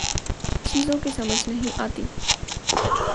چیزوں کی سمجھ نہیں آتی